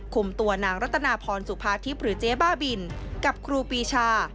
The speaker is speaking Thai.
คุมตัวนางรัตนาพรสุภาทิพย์หรือเจ๊บ้าบินกับครูปีชา